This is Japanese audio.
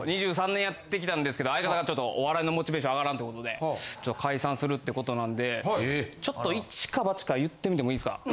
２３年やってきたんですけど相方がちょっとお笑いのモチベーション上がらんってことでちょっと解散するってことなんでちょっと一か八か言ってみてもいいですか？